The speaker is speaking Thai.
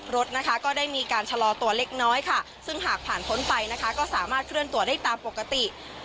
รถนะคะก็ได้มีการชะลอตัวเล็กน้อยค่ะซึ่งหากผ่านพ้นไปนะคะก็สามารถเคลื่อนตัวได้ตามปกติ